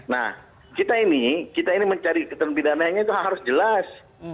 nah kita ini kita ini mencari ketentuan pidananya itu harus jelas